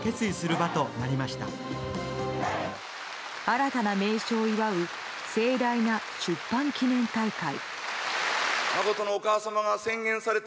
新たな名称を祝う盛大な出帆記念大会。